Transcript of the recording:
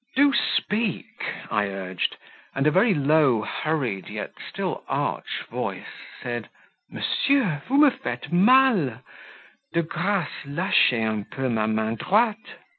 "Do speak," I urged; and a very low, hurried, yet still arch voice said "Monsieur, vous me faites mal; de grace lachez un peu ma main droite."